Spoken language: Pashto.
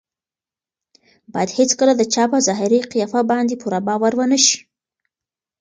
باید هېڅکله د چا په ظاهري قیافه باندې پوره باور ونه شي.